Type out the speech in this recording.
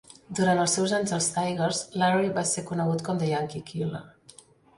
Durant els seus anys als Tigers, Lary va ser conegut com "The Yankee Killer".